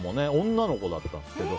女の子だったんですけど。